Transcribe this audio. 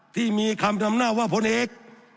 ที่มีคำดำหน้าว่าผลเอก